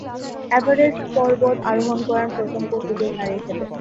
Everest পর্বত আরোহণ করেন প্রথম পর্তুগিজ নারী হিসেবে।